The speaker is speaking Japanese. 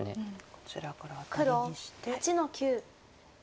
こちらからアタリにして。